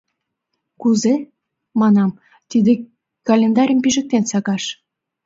— Кузе, манам, тиде календарьым пижыктен сакаш?